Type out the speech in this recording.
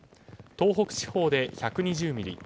東北地方で１２０ミリ